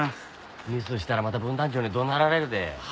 ミスしたらまた分団長に怒鳴られるで。